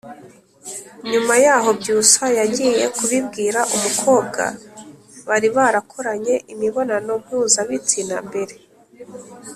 Nyuma yaho Byusa yagiye kubibwira umukobwa bari barakoranye imibonano mpuzabitsina mbere